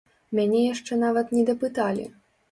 Мяне яшчэ нават не дапыталі.